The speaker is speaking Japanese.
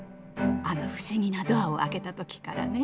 あの不思議なドアを開けた時からね」。